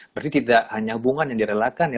berarti tidak hanya hubungan yang direlakan ya